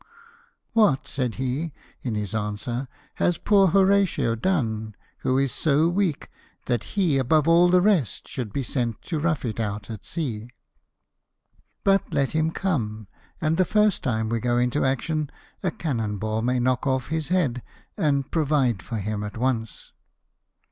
" What," said he in his answer, "has poor Horatio done, who is so weak, that he, above all the rest, should be sent to rough it out at sea ? But let him come, and the first time we go into action a cannon ball may knock off his head, and provide for him at once."